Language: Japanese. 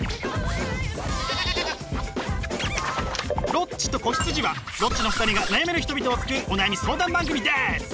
「ロッチと子羊」はロッチの２人が悩める人々を救うお悩み相談番組です！